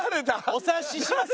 「お察しします」